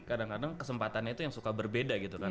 kadang kadang kesempatannya itu yang suka berbeda gitu kan